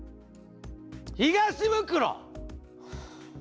東ブクロ！